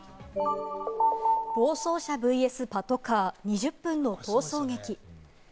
暴走車ｖｓパトカー、２０分の逃走劇。